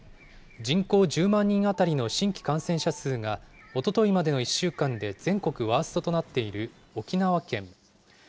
人口１０万人当たりの新規感染者数が、おとといまでの１週間で全国ワーストとなっている沖縄県。